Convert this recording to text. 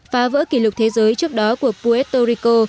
phá vỡ kỷ lục thế giới trước đó của puto rico